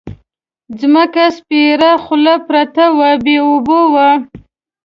ځمکه سپېره خوله پرته وه بې اوبو وه.